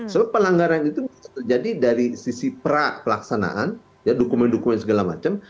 soal pelanggaran itu jadi dari sisi pra pelaksanaan ya dokumen dokumen segala macam